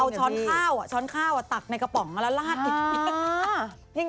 เอาช้อนข้าวช้อนข้าวตักในกระป๋องแล้วลาดอีกที